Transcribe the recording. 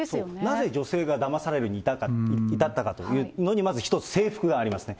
なぜ女性がだまされるに至ったかというのに、まず一つ、制服がありますね。